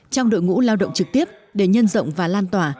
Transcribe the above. trong đội ngũ lao động trực tiếp để nhân rộng và lan tỏa